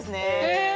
へえ！